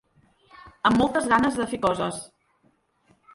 Amb moltes ganes de fer coses.